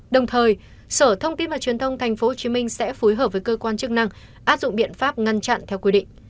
đồng thời sở thông tin và truyền thông tp hcm sẽ phối hợp với cơ quan chức năng áp dụng biện pháp ngăn chặn theo quy định